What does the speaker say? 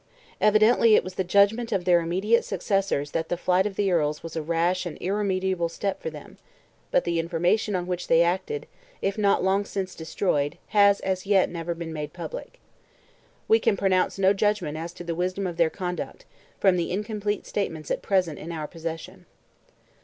Evidently it was the judgment of their immediate successors that the flight of the Earls was a rash and irremediable step for them; but the information on which they acted, if not long since destroyed, has, as yet, never been made public. We can pronounce no judgment as to the wisdom of their conduct, from the incomplete statements at present in our possession.